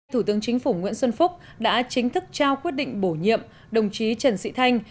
thủ tướng chính phủ nguyễn xuân phúc đã chính thức trao quyết định bổ nhiệm đồng chí trần sĩ thanh